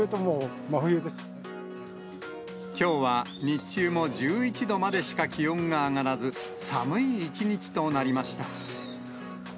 きょうは、日中も１１度までしか気温が上がらず、寒い一日となりました。